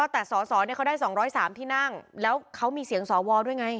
แต่สอสอเขาได้๒๐๓ที่นั่งแล้วเขามีเสียงสวด้วยไง